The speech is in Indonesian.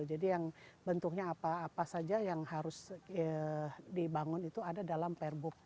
jadi yang bentuknya apa saja yang harus dibangun itu ada dalam perbuk